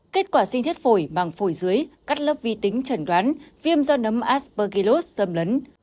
kết quả xin thiết phổi bằng phổi dưới cắt lớp vi tính trần đoán viêm do nấm aspergillus dâm lấn